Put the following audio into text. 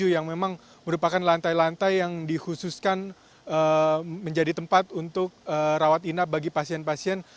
yang memang merupakan lantai lantai yang dikhususkan menjadi tempat untuk rawat inap bagi pasien pasien